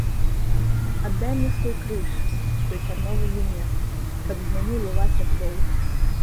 Аддай мне свой крыж, свой цярновы вянец, каб з мяне лілася кроў.